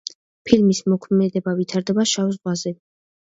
ფილმის მოქმედება ვითარდება შავ ზღვაზე.